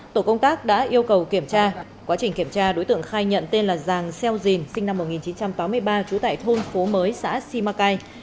tổ công tác đã yêu cầu kiểm tra quá trình kiểm tra đối tượng khai nhận tên là giàng xeo dình sinh năm một nghìn chín trăm tám mươi ba trú tại thôn phố mới xã simacai